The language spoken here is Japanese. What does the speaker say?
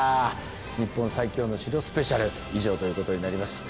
「日本最強の城スペシャル」以上ということになります。